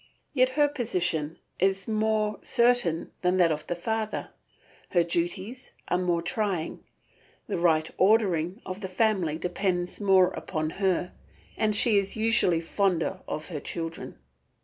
Yet her position is more certain than that of the father, her duties are more trying; the right ordering of the family depends more upon her, and she is usually fonder of her children.